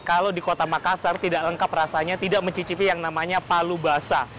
kalau di kota makassar tidak lengkap rasanya tidak mencicipi yang namanya palu basah